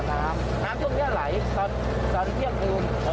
น้ำทุกอย่างไหลสอนเทียบดูน